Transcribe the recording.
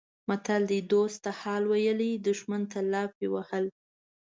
متل دی: دوست ته حال ویلی دښمن ته لافې وهل.